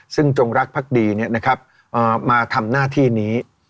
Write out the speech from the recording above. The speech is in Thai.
ซึ่งจงรักภักดีมาทำหน้าที่นี้